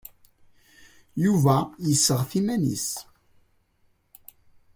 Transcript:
Yuba yesseɣti iman-is.